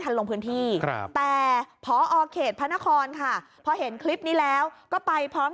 ลงพื้นที่ครับแต่พอเขตพระนครค่ะพอเห็นคลิปนี้แล้วก็ไปพร้อม